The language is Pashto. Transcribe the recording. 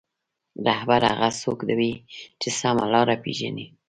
رهبر هغه څوک وي چې سمه لاره پېژني.